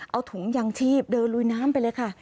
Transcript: เอาถุงยางชีพเดินลุยน้ำไปเลยค่ะ